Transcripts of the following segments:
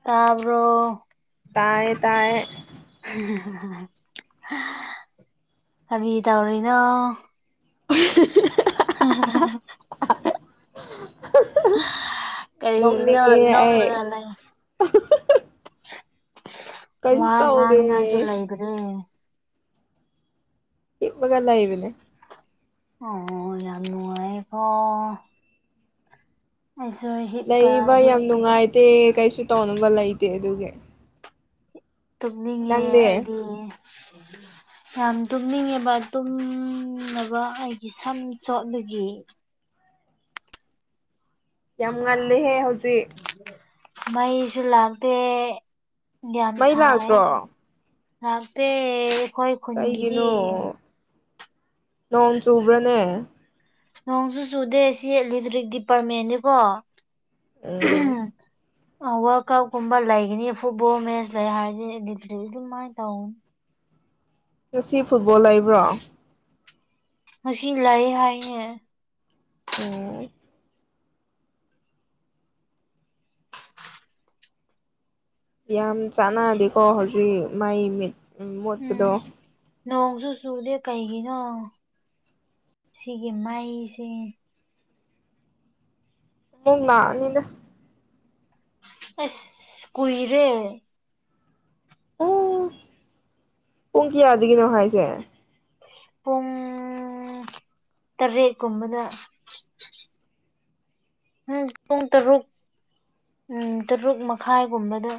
ꯇꯥꯕꯔ‌ꯣ ꯇꯥꯏꯌ‌ꯦ ꯇꯥꯏꯌ‌ꯦ ꯀꯔꯤ ꯇꯧꯔꯤꯅꯣ [unintelligible] [unintelligible] [unintelligible] ꯀꯔꯤꯅꯣ ꯅꯣꯛꯅꯤꯡꯉꯦ ꯅꯣꯛꯂꯒꯥ ꯑꯩ ꯂꯩ ꯀꯩꯁꯨ ꯋꯥ ꯇꯧꯗꯦ ꯉꯥꯡꯅꯁꯨ ꯂꯩꯗ꯭ꯔꯦ ꯍꯤꯞꯄꯒ ꯂꯩꯕꯅ‌ꯦ ꯑꯣ ꯌꯥꯝ ꯅꯨꯡꯉꯥꯏꯌ‌ꯦꯀꯣ ꯑꯩꯁꯨ ꯍꯤꯞꯄ ꯍꯤꯞꯄꯗꯤ ꯇꯦ ꯀꯩꯁꯨ ꯇꯧꯅꯤꯡꯕ ꯂꯩꯇꯦ ꯑꯗꯨꯒꯤ ꯇꯨꯝꯅꯤꯡꯉꯦ ꯅꯪꯗꯤ ꯑꯩꯗꯤ ꯌꯥꯝ ꯇꯨꯝꯅꯤꯡꯉꯦꯕ ꯇꯨꯝꯅꯕ ꯑꯩꯒꯤ ꯁꯝ ꯆꯣꯠꯂꯨꯒꯤ ꯌꯥꯝ ꯉꯜꯂ‌ꯦꯍꯦ ꯍꯧꯖꯤꯛ ꯃꯩꯁꯨ ꯂꯥꯛꯇꯦ ꯌꯥꯝ ꯃꯩ ꯁꯥꯏ ꯂꯥꯛꯇ꯭ꯔꯣ ꯂꯥꯛꯇ‌ꯦ ꯑꯩꯈ‌ꯣꯏ ꯀꯩꯒꯤꯅꯣ ꯅꯣꯡ ꯆꯨꯕ꯭ꯔꯥꯅꯦ ꯅꯣꯡꯁꯨ ꯆꯨꯗꯦ ꯁꯤ ꯏꯂꯦꯛꯇ꯭ꯔꯤꯛ ꯗꯤꯄꯥꯔꯠꯃꯦꯟꯅꯤꯀꯣ ꯎꯝ ꯋꯥꯔꯜ ꯀꯞꯀꯨꯝꯕ ꯂꯩꯒꯅꯤ ꯐꯨꯠꯕꯣꯜ ꯃꯦꯠꯆ ꯂꯩ ꯍꯥꯏꯔꯁ ꯑꯦꯇ꯭ꯔꯤ ꯑꯗꯨꯃꯥꯏꯅ ꯇꯧ ꯉꯁꯤ ꯐꯨꯠꯕꯣꯜ ꯂꯩꯕ꯭ꯔꯣ ꯉꯁꯤ ꯂꯩ ꯍꯥꯏꯅꯦ ꯎꯨꯝ ꯌꯥꯝ ꯆꯥꯟꯅꯗꯦꯀꯣ ꯍꯧꯖꯤꯛ ꯃꯥꯏ ꯃꯤ ꯃꯨꯞꯄꯗꯣ ꯎꯝ ꯅꯣꯡꯁꯨ ꯆꯨꯗꯦ ꯀꯩꯒꯤꯅꯣ ꯁꯤꯒꯤ ꯃꯩꯁꯦ ꯄꯨꯛ ꯅꯥꯅꯤꯗ ꯑꯦꯁ ꯀꯨꯏꯔꯦ ꯑꯣ ꯄꯨꯡ ꯀꯌꯥꯗꯒꯤꯅꯣ ꯍꯥꯏꯁꯦ ꯄꯨꯡ ꯇꯥꯔꯦꯠ ꯀꯨꯝꯕꯗ ꯎ ꯄꯨꯡ ꯇꯔꯨꯛ ꯇꯔꯨꯛ ꯃꯈꯥꯏꯒꯨꯝꯕꯗ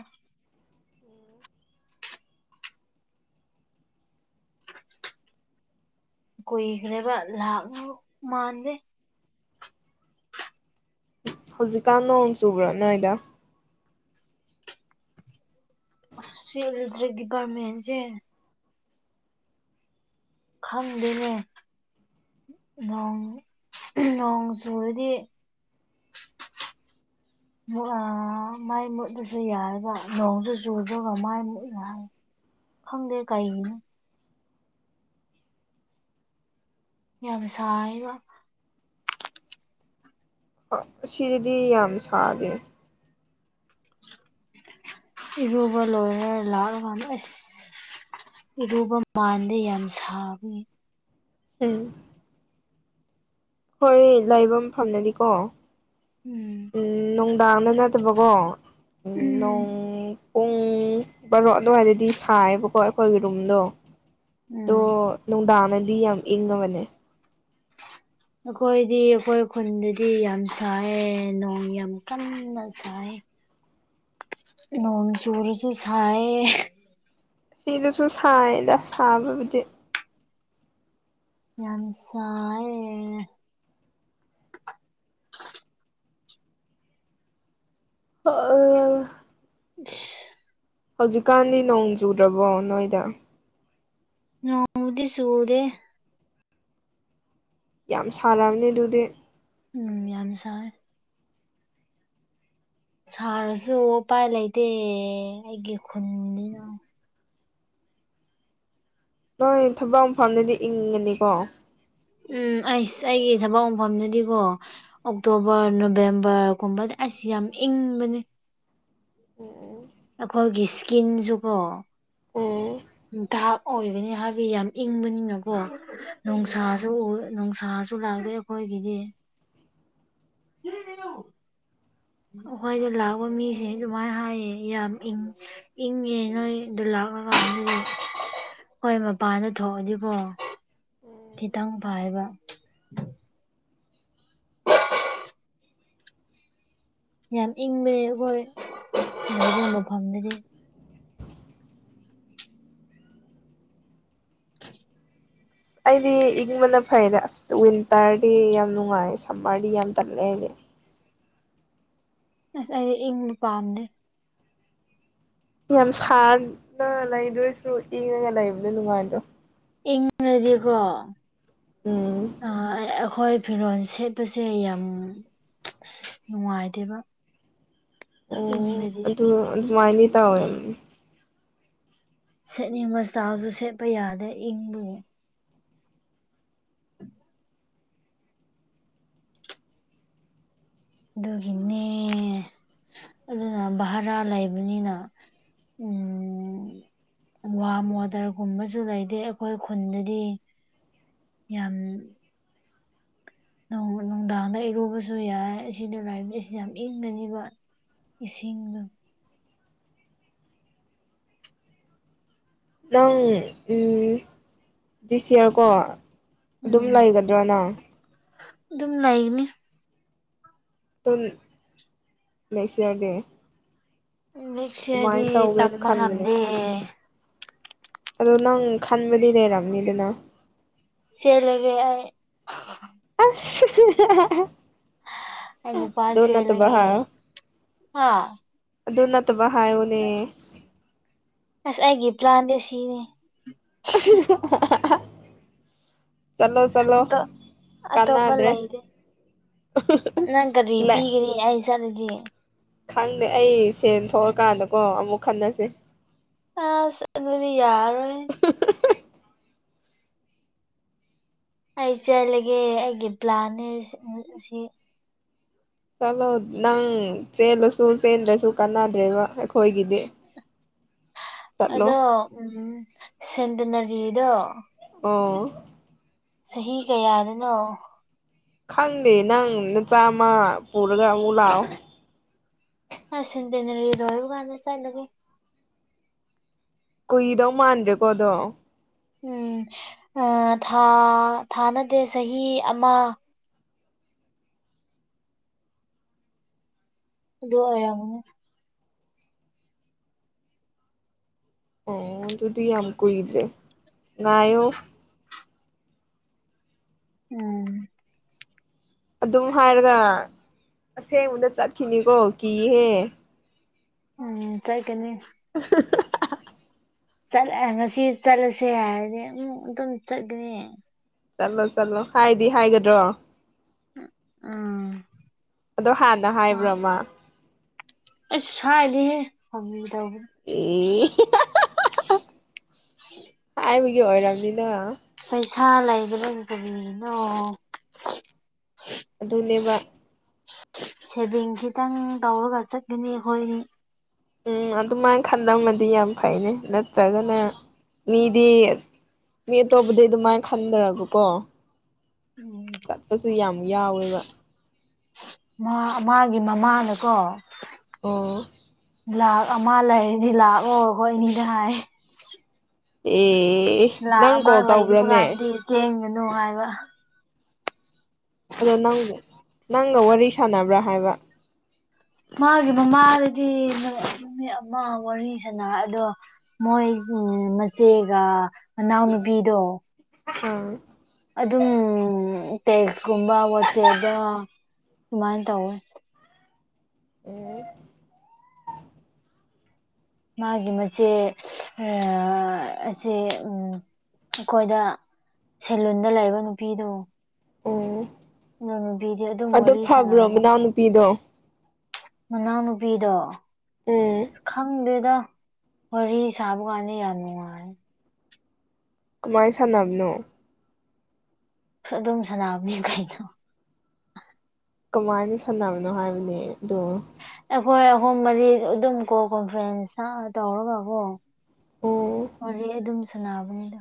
ꯀꯨꯏꯒꯔ꯭ꯦꯕ ꯂꯥꯛꯇꯧ ꯃꯥꯟꯗꯦ ꯍꯧꯖꯤꯛꯀꯥꯟ ꯅꯣꯡ ꯆꯨꯕ꯭ꯔꯥ ꯅꯣꯏꯗ ꯁꯤ ꯏꯂꯛꯇꯛ ꯗꯤꯄꯥꯔꯃꯦꯟꯁꯦ ꯈꯪꯗꯦꯅꯦ ꯅꯣꯡ ꯅꯣꯡ ꯆꯨꯨꯔꯗꯤ [unintelligible] ꯃꯥꯏ ꯃꯨꯠꯂꯁꯨ ꯌꯥꯔꯒ ꯅꯣꯡꯁꯨ ꯆꯨꯗꯒ ꯃꯥꯏ ꯃꯨꯠꯂ ꯍꯥꯏ ꯈꯪꯗꯦ ꯀꯩꯒꯤꯅꯣ ꯌꯥꯝꯅ ꯁꯥꯏꯕ ꯁꯤꯗꯗꯤ ꯌꯥꯝ ꯁꯥꯗꯦ ꯏꯔꯨꯕ ꯂꯣꯏꯔ ꯂꯥꯛꯑꯀꯥꯟꯗ ꯑꯁ ꯏꯔꯨꯕ ꯃꯥꯟꯗꯦ ꯌꯥꯝ ꯁꯥꯕꯒꯤ ꯎꯝ ꯍꯣꯏ ꯂꯩꯕ ꯃꯐꯝꯗꯅꯤꯀꯣ ꯎꯝ ꯎꯝ ꯅꯨꯡꯗꯥꯡꯅ ꯅꯠꯇꯕꯀꯣ ꯎ ꯎꯝ ꯅꯣꯡ ꯄꯨꯡ ꯕꯥꯔꯣ ꯑꯗꯨꯋꯥꯏꯗꯗꯤ ꯁꯥꯏꯌꯦꯕꯀꯣ ꯑꯩꯈꯣꯏꯒꯤ ꯔꯨꯝꯗꯣ ꯎꯝ ꯑꯗꯣ ꯅꯨꯡꯗꯥꯡꯅꯗꯤ ꯌꯥꯝ ꯏꯪꯉꯕꯅꯦ ꯑꯩꯈꯣꯏꯗꯤ ꯑꯩꯈꯣꯏ ꯈꯨꯟꯗꯗꯤ ꯌꯥꯝ ꯁꯥꯏ ꯅꯣꯡ ꯌꯥꯝ ꯀꯟꯅ ꯁꯥꯏ ꯅꯣꯡ ꯆꯨꯔꯁꯨ ꯁꯥꯏꯌꯦ ꯁꯤꯗꯨꯁꯨ ꯁꯥꯏꯗ ꯁꯥꯕꯕꯨꯗꯤ ꯌꯥꯝ ꯁꯥꯏꯌꯦ ꯑꯣ ꯑ ꯁꯤꯁ ꯍꯧꯖꯤꯛꯀꯥꯟꯗꯤ ꯅꯣꯡ ꯆꯨꯗ꯭ꯔꯕꯣ ꯅꯣꯏꯗ ꯅꯣꯡꯕꯨꯗꯤ ꯆꯨꯗꯦ ꯌꯥꯝ ꯁꯥꯔꯝꯅꯤ ꯑꯗꯨꯗꯤ ꯎꯝ ꯌꯥꯝ ꯁꯥꯏ ꯁꯥꯔꯁꯨ ꯎꯄꯥꯏ ꯂꯩꯇꯦ ꯑꯩꯒꯤ ꯈꯨꯟꯅꯤꯅ ꯅꯣꯏ ꯊꯕꯛ ꯃꯐꯝꯗꯗꯤ ꯏꯪꯒꯅꯤꯀꯣ ꯎꯝ ꯑꯩꯁ ꯑꯩꯒꯤ ꯊꯕꯛ ꯃꯪꯐꯝꯗꯗꯤꯀꯣ ꯑꯣꯛꯇꯣꯕꯔ ꯅꯣꯕꯦꯝꯕꯔꯒꯨꯝꯕꯗ ꯑꯁ ꯌꯥꯝ ꯏꯪꯕꯅꯤ ꯎꯝ ꯎ ꯑꯩꯈꯣꯏꯒꯤ ꯏꯁꯀꯤꯟꯁꯨꯒꯣ ꯎꯝ ꯗꯥꯔꯛ ꯑꯣꯏꯒꯅꯤ ꯍꯥꯏꯕ ꯌꯥꯝ ꯏꯪꯕꯅꯤꯅꯀꯣ ꯎꯝ ꯅꯅꯨꯡꯁꯥꯁꯨ ꯅꯨꯡꯁꯥꯁꯨ ꯂꯥꯛꯂꯦ ꯏꯩꯈꯣꯏꯒꯤꯗꯤ ꯑꯩꯈꯣꯏꯗ ꯂꯥꯛꯕ ꯃꯤꯁꯦ ꯑꯗꯨꯃꯥꯏꯅ ꯍꯥꯏꯌꯦ ꯌꯥꯝ ꯏꯪ ꯏꯪꯉ ꯅꯣꯏ ꯗꯨꯂꯥ [unintelligible] ꯍꯣꯏ ꯃꯄꯥꯟꯗ ꯊꯣꯛꯑꯗꯤꯕꯣ ꯎꯝ ꯈꯤꯇꯪ ꯐꯕ ꯌꯥꯝ ꯏꯪꯕ ꯑꯩꯈꯣꯏꯕꯐꯝꯗꯗꯤ ꯊ ꯑꯩꯗꯤ ꯏꯪꯕꯅ ꯐꯩꯗ ꯑꯁ ꯋꯤꯟꯇꯔꯗꯤ ꯌꯥꯝ ꯅꯨꯡꯉꯥꯏ ꯁꯝꯃꯔꯗꯤ ꯌꯥꯝ ꯇꯜꯂꯛꯑꯦ ꯑꯩꯗꯤ ꯑꯁ ꯑꯩ ꯏꯪꯕ ꯄꯥꯝꯗꯦ ꯌꯥꯝ ꯁꯥꯟꯅ ꯂꯩꯗꯣꯏꯁꯨ ꯏꯪꯉꯒ ꯂꯩꯕꯗꯣ ꯅꯨꯡꯉꯥꯏꯗꯣ ꯏꯪꯉꯥꯗꯤꯀꯣ ꯎꯝ ꯑꯩꯈꯣꯏ ꯐꯤꯔꯣꯜ ꯁꯦꯠꯄꯁꯦ ꯌꯥꯝ ꯑ ꯅꯨꯡꯉꯥꯏꯇꯦꯕ ꯑꯣ ꯏꯪꯔꯗꯤ ꯑꯗꯨ ꯑꯗꯨꯃꯥꯏꯅ ꯇꯧꯋꯦ ꯁꯦꯠꯅꯤꯡꯕꯁꯇꯥꯁꯨ ꯁꯦꯠꯄ ꯌꯥꯗ꯭ꯔꯦ ꯏꯪꯕꯅꯦ ꯎ [inaudible] ꯑꯗꯨꯒꯤꯅꯦ ꯑꯗꯨꯅ ꯚꯔꯥ ꯂꯩꯕꯅꯤꯅ ꯎꯝ ꯋꯥꯝ ꯋꯥꯇꯔꯒꯨꯝꯕꯁꯨ ꯂꯩꯇꯦ ꯑꯩꯈꯣꯏ ꯈꯨꯟꯗꯗꯤ ꯌꯥꯝ ꯅꯨꯡꯗꯥꯡꯗ ꯏꯔꯨꯕꯁꯨ ꯌꯥꯏ ꯑꯁꯤꯅ ꯂꯥꯏꯕ ꯑꯁꯤ ꯌꯥꯝ ꯏꯪꯒꯅꯤꯕ ꯏꯁꯤꯡꯅ ꯅꯪ ꯑꯡ ꯗꯤꯁ ꯏꯌꯥꯔ ꯀꯣ ꯑꯗꯨꯝ ꯎꯝ ꯂꯩꯒꯗ꯭ꯔꯅ ꯑꯗꯨꯝ ꯂꯩꯒꯅꯤ ꯇꯝ ꯂꯩꯁꯤꯌꯥ ꯗꯦ ꯅꯦꯛꯁ ꯌꯤꯔ꯭ꯔꯗꯤ ꯇꯧꯒꯦꯅ ꯇꯝꯕ ꯈꯟꯕꯅꯦ ꯉꯝꯗꯦ ꯑꯗꯣ ꯅꯪ ꯈꯟꯕꯗꯤ ꯂꯩꯔꯕꯝꯅꯤꯗꯅ ꯆꯦꯜꯂꯥꯒꯦ ꯑꯩ [inaudible] ꯑꯗꯨ ꯅꯠꯇꯕ ꯑꯩꯄꯥꯁꯤꯦꯂꯒꯦ ꯍꯥꯏꯌꯣ ꯍꯥ ꯑꯗꯨ ꯅꯠꯇꯕ ꯍꯥꯏꯌꯨꯅꯦꯌꯦ ꯑꯁ ꯑꯩꯒꯤ ꯄ꯭ꯂꯥꯟꯗꯦ ꯁꯤꯅꯦ ꯍꯤ ꯍꯥ ꯍꯥ ꯆꯂꯣ ꯆꯂꯣ ꯑꯗꯣ ꯑꯇꯣꯞꯄ ꯀꯅꯥꯗ꯭ꯔꯦ ꯂꯩꯇꯦ ꯅꯪ ꯀꯒꯔꯤ ꯄꯤꯒꯅꯤ ꯑꯩ ꯆꯠꯂꯗꯤ ꯈꯪꯗꯦ ꯑꯩ ꯁꯦꯟ ꯊꯣꯛꯑꯀꯥꯟꯗꯀꯣ ꯑꯃꯨꯛ ꯈꯟꯅꯁꯦ ꯑ ꯑꯗꯨꯗꯤ ꯌꯥꯔ ꯑꯣꯏꯣꯏ ꯑꯩ ꯆꯠꯂꯒꯦ ꯑꯩꯒꯤ ꯄ꯭ꯂꯥꯟꯅꯦ ꯁꯤ ꯆꯂꯣ ꯅꯪ ꯆꯦꯜꯂꯁꯨ ꯆꯦꯟꯗ꯭ꯔꯁꯨ ꯀꯥꯟꯅꯗ꯭ꯔꯦꯕ ꯑꯩꯈꯣꯏꯒꯤꯗꯤ ꯆꯠꯂꯣ ꯑꯗꯣ ꯎꯝ ꯁꯦꯟꯗꯅꯔꯤꯗꯣ ꯑꯣ ꯆꯍꯤ ꯀꯌꯥꯔꯤꯅꯣ ꯈꯪꯗꯦ ꯅꯪꯅ ꯆꯥꯝꯃ ꯄꯨꯔꯒ ꯑꯃꯨꯛ ꯂꯥꯛꯑꯣ ꯑ ꯁꯤꯗꯅ ꯂ ꯒꯥꯟꯗ ꯆꯥꯏꯒꯦ ꯀꯨꯏꯗꯧ ꯃꯥꯟꯗ꯭ꯔꯦꯀꯣ ꯑꯗꯣ ꯎꯝꯥ ꯊꯥꯅꯗꯦ ꯆꯍꯤ ꯑꯃ ꯑꯗꯣ ꯑꯣꯏꯔꯝꯒꯅꯤ ꯑꯣ ꯑꯗꯨꯗꯤ ꯌꯥꯝ ꯀ ꯏꯗꯦ ꯉꯏꯣ ꯑ ꯑꯗꯨꯝ ꯍꯥꯏꯔꯒ ꯑꯁꯦꯡꯕꯗ ꯆꯠꯈꯤꯅꯤꯀꯣ ꯀꯤꯍꯦ ꯎꯝ ꯇ꯭ꯔꯥꯏ ꯀꯅꯤ ꯑꯍꯥꯍꯥ [unintelligible] ꯆꯠꯂ ꯉꯁꯤ ꯆꯠꯂꯁꯦ ꯍꯥꯏꯔꯗꯤ ꯑꯃꯨꯛ ꯑꯗꯨꯝ ꯆꯠꯒꯅꯤ ꯆꯠꯂꯣ ꯆꯠꯂꯣ ꯍꯥꯏꯗꯤ ꯍꯥꯏꯒꯗ꯭ꯔꯣ ꯎꯝ ꯑꯗꯣ ꯍꯥꯟꯅ ꯍꯥꯏꯕ꯭ꯔꯃ ꯑꯩ ꯆꯥꯏꯗꯤꯍꯦ ꯍ ꯇ ꯑꯦ ꯍꯥꯏꯥꯏꯕꯒꯦ ꯍꯔꯝꯅꯤꯗ ꯄꯩꯁꯥ ꯂꯩꯕ꯭ꯔ ꯀꯔꯤꯅꯣ ꯑꯗꯨꯅꯦꯕ ꯁꯦꯚꯤꯡ ꯈꯤꯇꯪ ꯇꯧꯔꯒ ꯆꯠꯀꯅꯤ ꯑꯩꯈꯣꯏ ꯎꯝ ꯑꯗꯨꯃꯥꯏꯅ ꯈꯟꯂꯝꯃꯗꯤ ꯌꯥꯝ ꯐꯩꯅꯦ ꯅꯠꯇ꯭ꯔꯒꯅ ꯃꯤꯗꯤ ꯃꯤ ꯑꯇꯣꯞꯄꯗꯤ ꯑꯗꯨꯃꯥꯏꯅ ꯈꯟꯗ꯭ꯔꯒꯀꯣ ꯎꯝ ꯆꯠꯄꯁꯨ ꯌꯥꯝ ꯌꯥꯎꯋꯦꯕ ꯃꯥꯒꯤ ꯃꯃꯥꯅꯀꯣ ꯑꯣ ꯂꯥꯛ ꯑꯃ ꯂꯩꯔꯗꯤ ꯂꯥꯛꯑꯣ ꯈꯣꯏꯅꯤꯗ ꯍꯥꯏ ꯑꯦ ꯂꯥꯛ ꯅꯪ ꯑꯃ ꯀꯣꯜ ꯂꯩꯕ ꯇꯧꯕ꯭ꯔꯥꯅꯦ ꯀꯥꯟꯗꯤ ꯆꯦꯟꯒꯅꯨ ꯍꯥꯏꯕ ꯑꯗꯣ ꯅꯪ ꯅꯪꯒ ꯋꯥꯔꯤ ꯁꯥꯟꯅꯕ꯭ꯔꯥ ꯍꯥꯏꯕ ꯃꯥꯒꯤ ꯃꯃꯥꯗꯗꯤ ꯅꯨ ꯑꯃ ꯋꯥꯔꯤ ꯁꯅꯔ ꯑꯗꯣ ꯃꯣꯏ ꯃꯆꯦꯒ ꯃꯅꯥꯎꯅꯨꯕꯤꯗꯣ ꯑ ꯑꯗꯨꯝ ꯇꯦꯛꯁꯀꯨꯝꯕ ꯋꯥꯆꯦꯞꯗ ꯁꯨꯃꯥꯏꯅ ꯇꯧꯋꯦ ꯑꯣ ꯃꯥꯒꯤ ꯃꯆꯦ ꯑꯁꯦ ꯎ ꯑꯩꯈꯣꯏꯗ ꯁꯦꯂꯨꯟꯗ ꯂꯩꯕ ꯅꯨꯄꯤꯗꯨ ꯑꯣ ꯑꯗꯨꯝ ꯑꯗꯣ ꯋꯥꯔꯤ ꯐꯕ꯭ꯔꯣ ꯃꯅꯥꯎꯅꯨꯄꯤꯗꯣ ꯃꯅꯥꯎꯅꯨꯄꯤꯗꯣ ꯎꯝ ꯑꯁ ꯈꯪꯗꯦꯗ ꯋꯥꯔꯤꯔꯤ ꯁꯥꯕꯨ ꯋꯥꯅꯤ ꯌꯥꯝ ꯅꯨꯡꯉꯥꯏ ꯀꯃꯥꯏꯅ ꯁꯥꯟꯅꯕꯅꯣ ꯑꯗꯨꯝ ꯁꯅꯥꯅꯕꯅꯤ ꯀꯩꯅꯣ ꯀꯃꯥꯏꯅ ꯁꯥꯟꯅꯕꯅꯣ ꯍꯥꯏꯕꯅꯦ ꯑꯗꯨꯗꯣ ꯑꯩꯈꯣꯏ ꯑꯍꯨꯝ ꯃꯔꯤ ꯑꯗꯨꯝ ꯀꯣꯜ ꯀꯣꯟꯐꯔꯦꯟꯁ ꯇꯧꯔꯒꯀꯣ ꯑꯣ ꯋꯥꯔꯤ ꯑꯗꯨꯝ ꯁꯅꯥꯕꯅꯤꯗ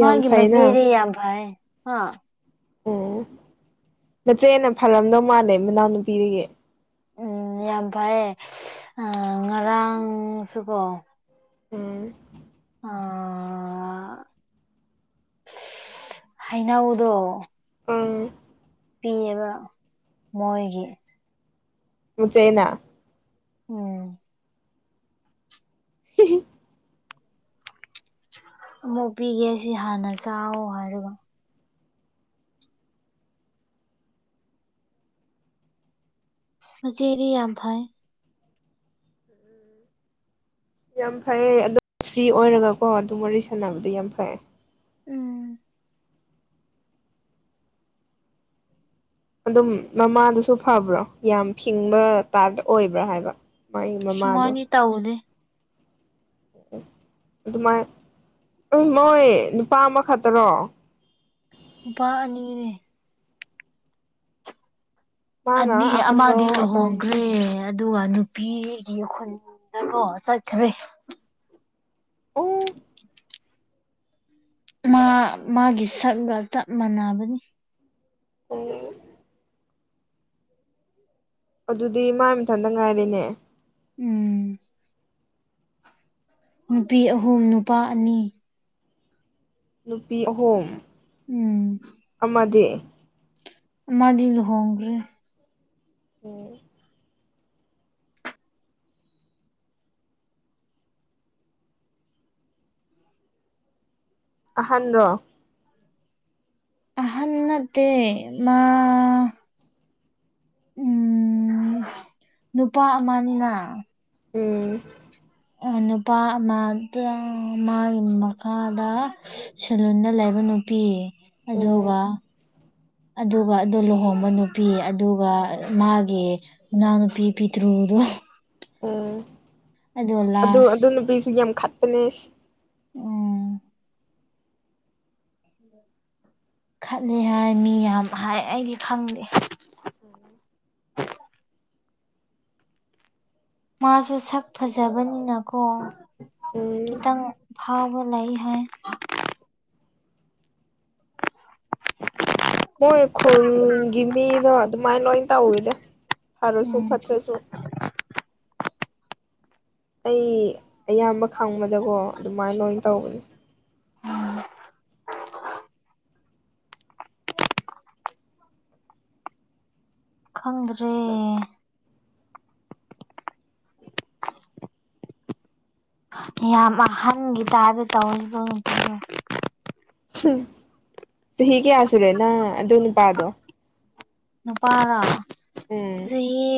ꯌꯥꯝ ꯐꯩꯅ ꯃꯆꯦꯗꯤ ꯌꯥꯝ ꯐꯥꯏ ꯑ ꯎꯝ ꯃꯆꯦꯅ ꯐꯔꯝꯗꯧ ꯃꯥꯜꯂꯦ ꯃꯅꯥꯎꯅꯨꯄꯤꯗꯒꯤ ꯎꯝ ꯌꯥꯝ ꯐꯩꯌꯦ ꯉꯔꯥꯡꯁꯨꯀꯣ ꯑꯥ ꯑ ꯍꯅꯥꯎꯗꯣ ꯑꯥ ꯄꯤꯌꯦꯕ ꯃꯣꯏꯒꯤ ꯃꯆꯦꯅ ꯎꯝ [inaudible] ꯑꯃꯣꯄꯤꯒꯦ ꯁꯤ ꯍꯥꯟꯅ ꯆꯥꯎꯋ ꯍꯥꯏꯔꯒ ꯍꯧꯖꯤꯔꯤ ꯌꯥꯝꯐꯥꯏ ꯌꯥꯝ ꯐꯩꯌꯦ ꯑꯗꯨ ꯐ꯭ꯔꯤ ꯑꯣꯏꯔꯒꯀꯣ ꯑꯗꯨ ꯋꯥꯔꯤ ꯁꯥꯟꯅꯕꯗꯤ ꯌꯥꯝ ꯐꯩ ꯎꯝ ꯑꯗꯨꯝ ꯃꯃꯥꯗꯨꯁꯨ ꯐꯕ꯭ꯔꯣ ꯌꯥꯝ ꯐꯤꯡꯕ ꯇꯥꯏꯞꯇ ꯑꯣꯏꯕ꯭ꯔꯥ ꯍꯥꯏꯕ ꯃꯥꯒꯤ ꯃꯃꯥꯗꯣ ꯁꯨꯃꯥꯏꯗꯤ ꯇꯧꯗꯦ ꯑꯗꯨꯃꯥꯏ ꯃꯣꯏ ꯅꯨꯄꯥ ꯑꯃ ꯈꯛꯇꯔꯣ ꯍꯣꯏ ꯑꯗꯨꯅꯤ꯫ ꯃꯥꯅ ꯑꯃꯗꯤ ꯑꯍꯟꯔꯣ ꯑꯇꯣꯝ ꯂꯨꯍꯣꯡꯒ꯭ꯔꯦ꯫ ꯑꯗꯨꯒ ꯅꯨꯄꯤꯒꯤ ꯈꯨꯟꯗꯀꯣ ꯆꯠꯈ꯭ꯔꯦ꯫ ꯑꯣ ꯃꯥ ꯃꯥꯒꯤ ꯁꯛꯒ ꯆꯞ ꯃꯥꯟꯅꯕꯅꯤ꯫ ꯎ ꯑꯗꯨꯗꯤ ꯃꯒꯤ ꯃꯊꯟꯇ ꯉꯥꯏꯔꯤꯅꯦ꯫ ꯎꯝ ꯅꯨꯄꯤ ꯑꯍꯨꯝ ꯅꯨꯄꯥ ꯑꯅꯤ ꯅꯨꯄꯤ ꯑꯍꯨꯝ ꯎꯝ ꯑꯃꯗꯤ ꯃꯥꯗꯤ ꯂꯨꯍꯣꯡꯒꯔꯦ ꯑꯣ ꯑꯍꯥꯟꯔꯣ ꯑꯍꯟꯅꯠꯇ ꯃꯥ ꯎꯝ ꯅꯨꯄꯥ ꯑꯃꯅꯤꯅꯤꯅ ꯎꯝ ꯅꯨꯄꯥ ꯑꯃ ꯃꯥꯒꯤ ꯃꯈꯥꯗ ꯁꯦꯂꯨꯟꯗ ꯂꯩꯕ ꯅꯨꯄꯤ ꯎꯝ ꯑꯗꯨꯒ ꯑꯗꯨꯒ ꯑꯗꯨ ꯂꯨꯍꯣꯡꯕ ꯅꯨꯄꯤ ꯑꯗꯨꯒ ꯃꯥꯒꯤ ꯅꯥꯟ ꯄꯤ ꯄꯤ ꯇꯔꯣꯗꯨ ꯎꯝ ꯑꯗꯨ ꯑꯗꯨ ꯂꯥꯁ ꯅꯨꯄꯤꯁꯨ ꯌꯥꯝ ꯈꯠꯄꯅꯦ꯫ ꯎꯝ [inaudible] ꯈꯠꯂꯦ ꯍꯥꯏ ꯃꯤ ꯌꯥꯝ ꯍꯥꯏ ꯑꯩꯗꯤ ꯈꯪꯗꯦ꯫ ꯃꯥꯁꯨ ꯁꯛ ꯐꯖꯕꯅꯤꯅꯀꯣ꯫ ꯎꯝ ꯈꯤꯇꯪ ꯐꯥꯎꯕ ꯂꯩ ꯍꯥꯏ꯫ ꯃꯣꯏ ꯈꯨꯜꯒꯤ ꯃꯤꯗꯣ ꯑꯗꯨꯃꯥꯏꯅ ꯂꯣꯏ ꯇꯧꯋꯤꯗ ꯐꯔꯁꯨ ꯎꯝ ꯐꯠꯇ꯭ꯔꯁꯨ꯫ ꯑꯩ ꯑꯌꯥꯝꯕ ꯈꯪꯕꯗꯀꯣ ꯑꯗꯨꯃꯥꯏꯅ ꯂꯣꯏ ꯇꯧꯕꯅꯤ꯫ [unintelligible] ꯈꯪꯗ꯭ꯔꯦ꯫ ꯌꯥꯝ ꯑꯍꯟꯒꯤ ꯇꯗꯤ ꯇꯧꯇꯦ꯫ ꯆꯍꯤ ꯀꯌꯥ ꯁꯨꯔꯦꯅ ꯑꯗꯨ ꯅꯨꯄꯥꯗꯣ ꯫ ꯅꯨꯄꯥꯔꯣ ꯎꯝ ꯆꯍꯤ